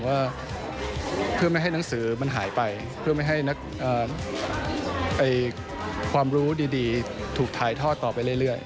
ว่าเพื่อไม่ให้หนังสือมันหายไปเพื่อไม่ให้ความรู้ดีถูกถ่ายทอดต่อไปเรื่อย